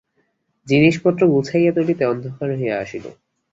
জিনিসপত্র গুছাইয়া তুলিতে অন্ধকার হইয়া আসিল।